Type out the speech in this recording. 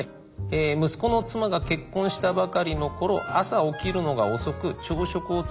息子の妻が結婚したばかりの頃朝起きるのが遅く朝食を作らないことがあった。